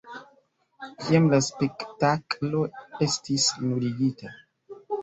Kiam la spektaklo estis nuligita.